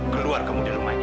keluar kamu dari rumah ini